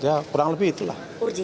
ya kurang lebih itulah